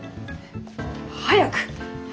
早く！